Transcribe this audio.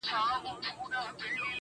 بیا مي د اوښکو وه رڼا ته سجده وکړه~